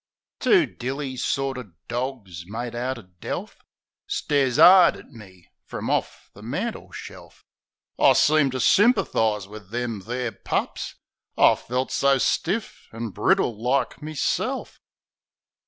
Two dilly sorter dawgs made outer delf Stares 'ard at me frum orf the mantleshelf. I seemed to symperthise wiv them there pups; I felt so stiff an' brittle like meself.